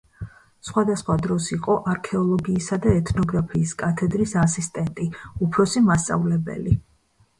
სხვადასხვა დროს იყო არქეოლოგიისა და ეთნოგრაფიის კათედრის ასისტენტი, უფროსი მასწავლებელი.